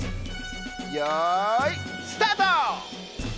よいスタート！